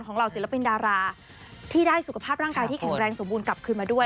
เหล่าศิลปินดาราที่ได้สุขภาพร่างกายที่แข็งแรงสมบูรณกลับคืนมาด้วย